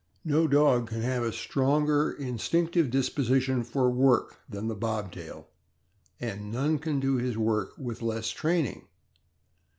No dog can have a stronger instinctive disposition for work than the Bobtail, and none can do his work with less training.